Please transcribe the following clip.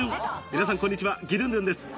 皆さんこんにちは、ギドゥンドゥンです。